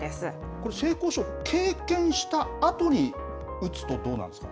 これ、性交渉、経験したあとに打つとどうなんですか？